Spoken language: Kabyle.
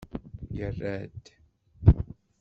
Yerra-d.